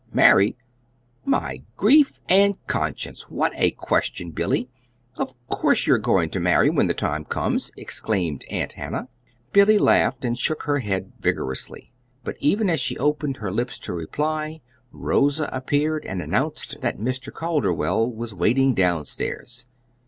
Marry? My grief and conscience, what a question, Billy! Of course you're going to marry when the time comes!" exclaimed Aunt Hannah. Billy laughed and shook her head vigorously. But even as she opened her lips to reply, Rosa appeared and announced that Mr. Calderwell was waiting down stairs.